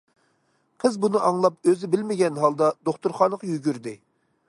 قىز بۇنى ئاڭلاپ ئۆزى بىلمىگەن ھالدا دوختۇرخانىغا يۈگۈردى.